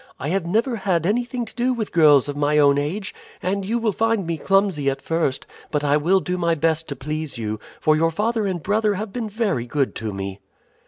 "I have never had anything to do with girls of my own age, and you will find me clumsy at first; but I will do my best to please you, for your father and brother have been very good to me."